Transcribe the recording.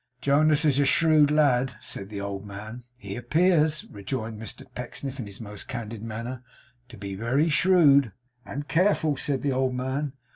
'Jonas is a shrewd lad,' said the old man. 'He appears,' rejoined Mr Pecksniff in his most candid manner, 'to be very shrewd.' 'And careful,' said the old man.